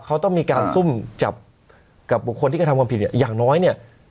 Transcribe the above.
เขาต้องมีการซุ่มจับกับบุคคลที่กระทำความผิดเนี่ยอย่างน้อยเนี่ย